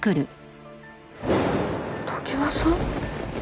常盤さん？